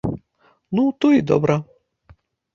Ну, то і добра.